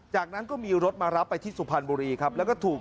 จากนั้นก็มีรถมารับไปที่สุพรรณบุรีครับ